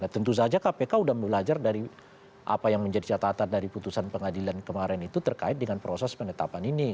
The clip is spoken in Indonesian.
tentu saja kpk sudah belajar dari apa yang menjadi catatan dari putusan pengadilan kemarin itu terkait dengan proses penetapan ini